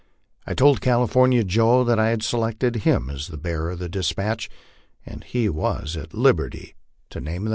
I told California Joe that I had selected him as the bearer of the despatch, and he was at liberty to name the LIFE OX THE PLAINS. 17?